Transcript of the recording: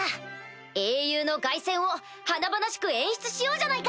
英雄の凱旋を華々しく演出しようじゃないか！